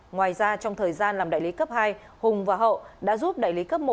ngoài ra trong thời gian làm đại lý cấp hai hùng và hậu đã giúp đại lý cấp một